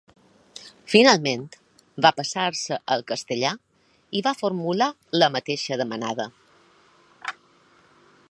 Finalment va passar-se al castellà i va formular la mateixa demanada.